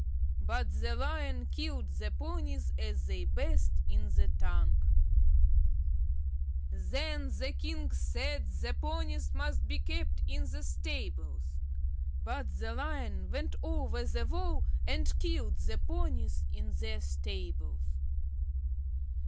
But the Lion killed the ponies as they bathed in the tank. Then the king said the ponies must be kept in the stables. But the Lion went over the wall, and killed the ponies in their stables.